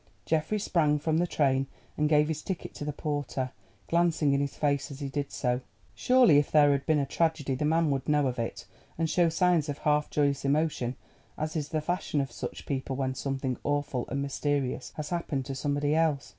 Geoffrey sprang from the train, and gave his ticket to the porter, glancing in his face as he did so. Surely if there had been a tragedy the man would know of it, and show signs of half joyous emotion as is the fashion of such people when something awful and mysterious has happened to somebody else.